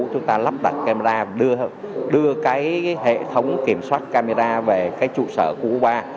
chúng ta lắp đặt camera đưa cái hệ thống kiểm soát camera về cái trụ sở khu phố ba